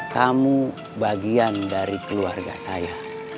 kamu bagian dari keluarga saya